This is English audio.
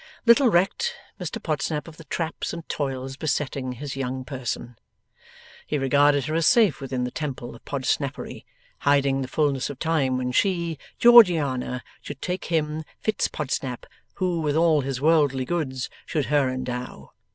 Little recked Mr Podsnap of the traps and toils besetting his Young Person. He regarded her as safe within the Temple of Podsnappery, hiding the fulness of time when she, Georgiana, should take him, Fitz Podsnap, who with all his worldly goods should her endow.